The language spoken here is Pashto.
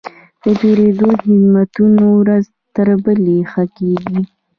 د پیرود خدمتونه ورځ تر بلې ښه کېږي.